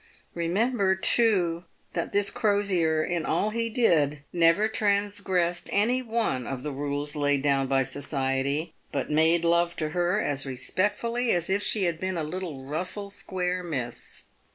Bemember, too, that this Crosier, in all he did, never transgressed any one of the rules laid down by society, but made love to her as respectfully as if she had been a little Bussell square miss.